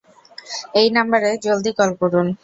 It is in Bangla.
এই নাম্বারে জলদি কল করুন।